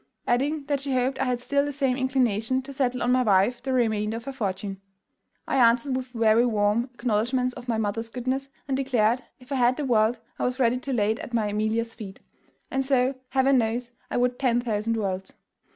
Adding that she hoped I had still the same inclination to settle on my wife the remainder of her fortune. "I answered with very warm acknowledgments of my mother's goodness, and declared, if I had the world, I was ready to lay it at my Amelia's feet. And so, Heaven knows, I would ten thousand worlds.